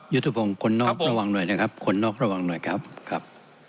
ยุทธพงศ์คนนอกระวังหน่อยนะครับคนนอกระวังหน่อยครับครับ